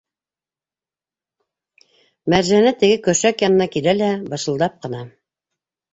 Мәржәнә теге көршәк янына килә лә бышылдап ҡына: